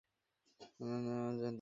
এজন্য তোদেরকে ধন্যবাদ জানাতে চাই।